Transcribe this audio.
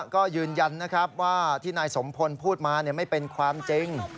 ก็ยืนยันนะครับว่าที่นายสมพลพูดมาไม่เป็นความจริง